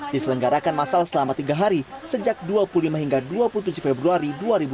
diselenggarakan masal selama tiga hari sejak dua puluh lima hingga dua puluh tujuh februari dua ribu dua puluh